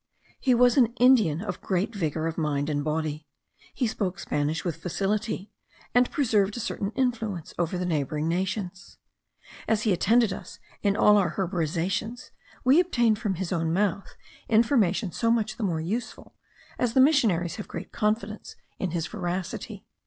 He was an Indian of great vigour of mind and body. He spoke Spanish with facility, and preserved a certain influence over the neighbouring nations. As he attended us in all our herborizations, we obtained from his own mouth information so much the more useful, as the missionaries have great confidence in his veracity.